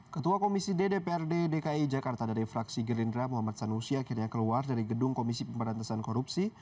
ketua komisi ddprd dki jakarta dari fraksi gerindra muhammad sanusi akhirnya keluar dari gedung komisi pemberantasan korupsi